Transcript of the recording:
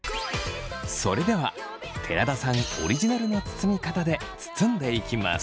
それでは寺田さんオリジナルの包み方で包んでいきます。